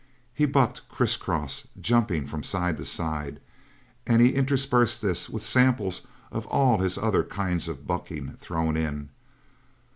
He bucked criss cross, jumping from side to side, and he interspersed this with samples of all his other kinds of bucking thrown in.